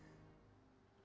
tuhan yang maha rahman